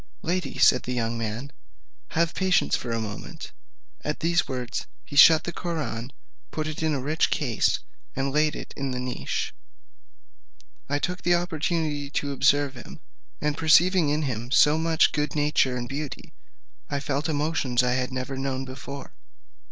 "Lady," said the young man, "have patience for a moment." At these words he shut the Koraun, put it into a rich case, and laid it in the niche. I took that opportunity to observe him, and perceiving in him so much good nature and beauty, I felt emotions I had never known before.